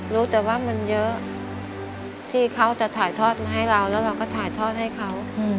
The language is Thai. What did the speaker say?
รู้แต่ว่ามันเยอะที่เขาจะถ่ายทอดมาให้เราแล้วเราก็ถ่ายทอดให้เขา